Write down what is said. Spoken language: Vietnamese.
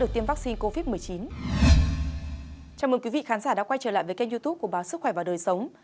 chào mừng quý vị khán giả đã quay trở lại với kênh youtube của báo sức khỏe và đời sống